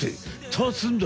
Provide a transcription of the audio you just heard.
立つんだ！